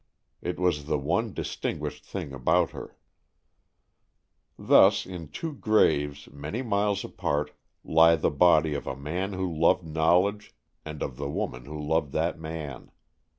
It was the one distinguished thing about her. Thus, in two graves many miles apart, lie the body of a man who loved knowledge and of the woman who loved that man.